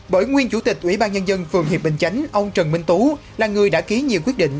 bởi nguyên chủ tịch ủy ban nhân dân phường hiệp bình chánh ông trần minh tú là người đã ký nhiều quyết định